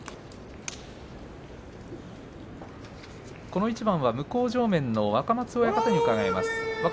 この一番は向正面の若松親方に伺います。